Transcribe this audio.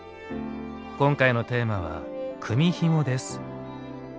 今回のテーマは「組みひも」です。